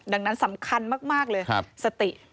ดังนั้นสำคัญมากเลยสติ